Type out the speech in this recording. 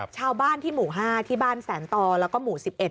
ชาวบ้านที่หมู่๕ที่บ้านแสนต่อแล้วก็หมู่๑๑